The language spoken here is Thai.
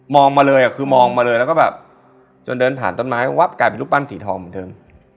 มาเลยคือมองมาเลยแล้วก็แบบจนเดินผ่านต้นไม้วับกลายเป็นรูปปั้นสีทองเหมือนเดิม